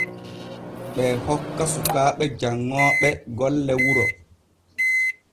Ɓee hokka sukaaɓe janŋooɓe golle wuro.